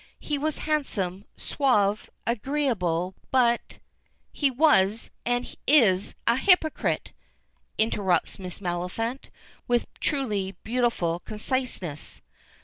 "He was handsome, suave, agreeable but " "He was, and is, a hypocrite!" interrupts Miss Maliphant, with truly beautiful conciseness.